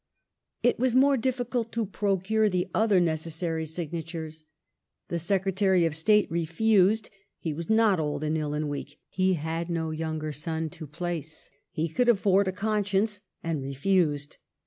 ■ It was more difficult to procure the other necessary signatures. The Secretary of State refused. He was not old and ill and weak ; he had no younger son to place ; he could afford a conscience, and refused.